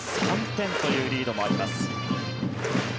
３点というリードもあります。